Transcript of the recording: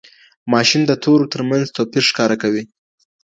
ماشین د تورو ترمنځ توپیر ښکاره کوي.